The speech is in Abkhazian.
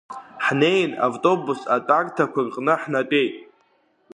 Ҳнеин автобус атәарҭақәа рҟны ҳнатәеит.